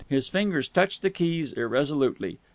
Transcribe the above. His fingers touched the keys irresolutely.